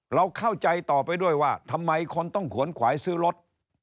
เราเข้าใจต่อไปด้วยว่าทำไมคนต้องขวนขวายซื้อรถ